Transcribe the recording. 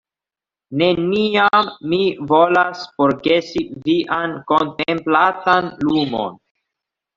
Neniam ni volas forgesi vian kontemplatan Lumon.